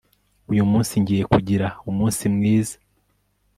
Uyu munsi ngiye kugira umunsi mwiza